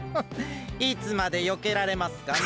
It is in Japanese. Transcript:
いつまでよけられますかね？